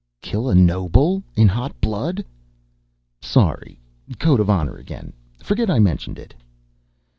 "Kill a noble in hot blood?" "Sorry. Code of honor again. Forget I mentioned it."